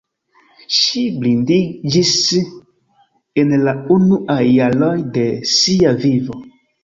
Ŝi blindiĝis en la unuaj jaroj de sia vivo.